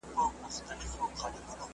زه په بي ځایه لوبو وخت نه ضایع کوم.